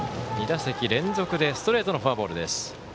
２打席連続でストレートのフォアボールです。